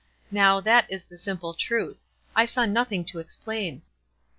Now, that is the simple truth. I saw nothing to explain."